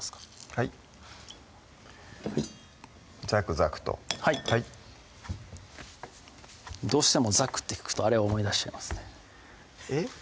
はいザクザクとはいどうしてもザクって聞くとあれを思い出しちゃいますねえっ？